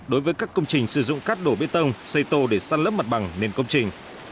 đối với các công trình sử dụng cắt đổ bê tông xây tô để gian lấp mặt bằng nền công trình